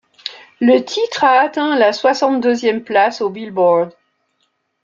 Le titre a atteint la soixante-deuxième place au Billboard.